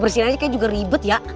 bersihin aja kayaknya juga ribet ya